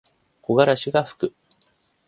木枯らしがふく。